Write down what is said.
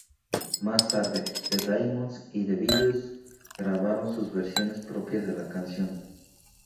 Más tarde, The Diamonds y The Beatles grabaron sus versiones propias de la canción.